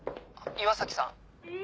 岩崎さん？